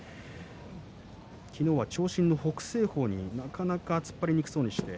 昨日は長身の北青鵬になかなか突っ張りにくそうでした。